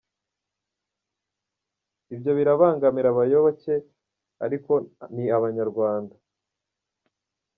Ibyo birabangamira abayoboke ariko ni Abanyarwanda.